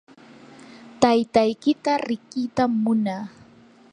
taytaykita riqitam munaa.